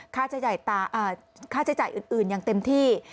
ค่าใช้จ่ายอื่นอย่างเต็มที่